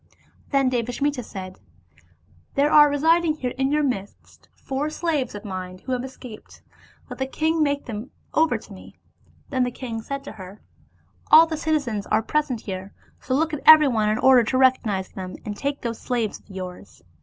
Then Devasmita said, " There are residing here in your midst four slaves of mine who have escaped, let the king make them over to me." Then the king said to her, " All the citizens are present here, so look at everyone in order to recognize him, and take those slaves of yours."